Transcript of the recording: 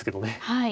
はい。